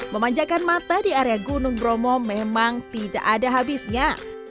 memanjakan mata di area gunung bromo memang tidak ada habisnya